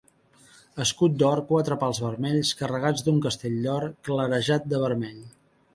Escut d'or, quatre pals vermells, carregats d'un castell d'or, clarejat de vermell.